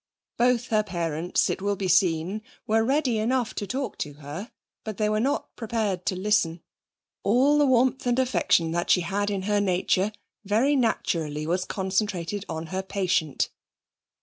Both her parents, it will be seen, were ready enough to talk to her, but they were not prepared to listen. All the warmth and affection that she had in her nature very naturally was concentrated on her patient.